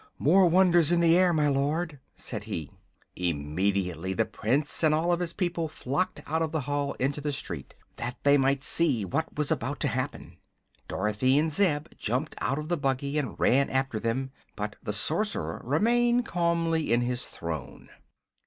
"More wonders in the air, my Lord," said he. Immediately the Prince and all of his people flocked out of the hall into the street, that they might see what was about to happen. Dorothy and Zeb jumped out of the buggy and ran after them, but the Sorcerer remained calmly in his throne.